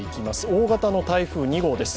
大型の台風２号です